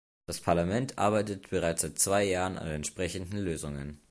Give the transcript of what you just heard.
Das Parlament arbeitet bereits seit zwei Jahren an entsprechenden Lösungen.